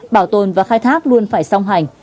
bảo tồn và khai thác luôn phải song hành